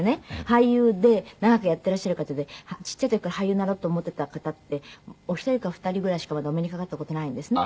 俳優で長くやっていらっしゃる方でちっちゃい時から俳優になろうと思っていた方ってお一人かお二人ぐらいしかまだお目にかかった事ないんですね。